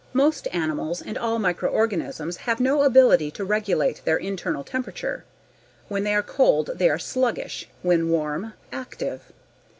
Most animals and all microorganisms have no ability to regulate their internal temperature; when they are cold they are sluggish, when warm, active.